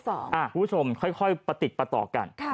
คุณผู้ชมค่อยติดต่อกัน